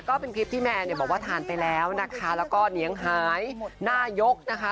ก็เป็นคลิปที่แมนเนี่ยบอกว่าทานไปแล้วนะคะแล้วก็เหนียงหายหน้ายกนะคะ